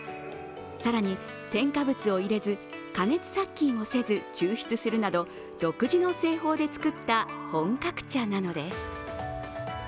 更に、添加物を入れず、加熱殺菌をせず抽出するなど独自の製法で作った本格茶なのです。